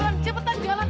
bukan cepetan jalan